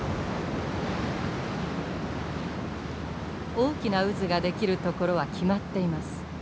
大きな渦が出来る所は決まっています。